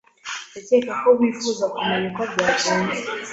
Ndakeka ko wifuza kumenya uko byagenze.